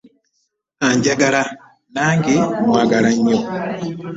Anjagala nange mwagala nnyo.